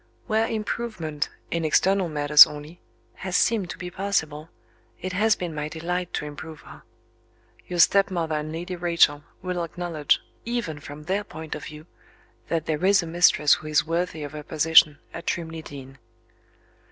Where improvement (in external matters only) has seemed to be possible, it has been my delight to improve her. Your stepmother and Lady Rachel will acknowledge, even from their point of view, that there is a mistress who is worthy of her position at Trimley Deen."